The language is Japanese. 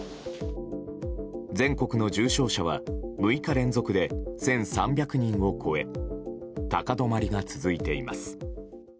全国の重症者は６日連続で１３００人を超え高止まりが続いています。